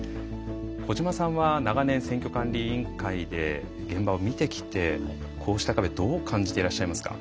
小島さんは長年選挙管理委員会で現場を見てきてこうした壁どう感じていらっしゃいますか。